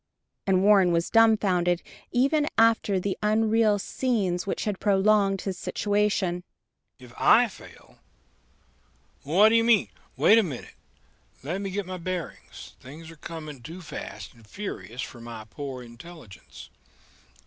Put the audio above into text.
"If I fail," and Warren was dumbfounded, even after the unreal scenes which had prologued this situation. "If I fail. What do you mean? Wait a minute let me get my bearings: things are coming too fast and furious for my poor intelligence....